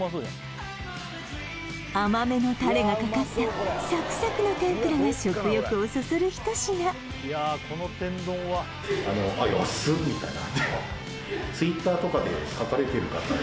甘めのタレがかかったサクサクな天ぷらが食欲をそそる一品みたいなって思う